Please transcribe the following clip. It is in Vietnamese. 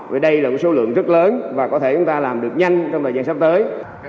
vì đây là một số lượng rất lớn và có thể chúng ta làm được nhanh trong thời gian sắp tới